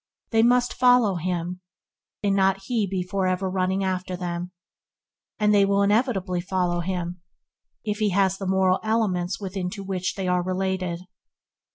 They must follow him, and not be for ever be running after them; and they will inevitably follow him, if he has the moral elements within to which they are related.